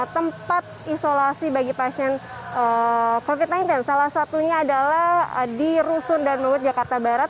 tempat isolasi bagi pasien covid sembilan belas salah satunya adalah di rusun dan meluwet jakarta barat